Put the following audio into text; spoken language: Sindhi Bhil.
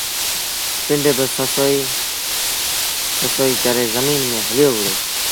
پنڊ با سسئيٚ سسئيٚ ڪري زميݩ ميݩ هليو وُهڙو۔